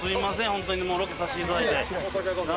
ホントにロケさせていただいて。